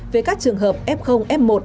về các trường hợp f f một